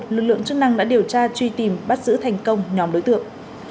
lực lượng chức năng đã điều tra truy tìm bắt giữ thành công nhóm đối tượng